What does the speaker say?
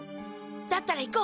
だったら行こう。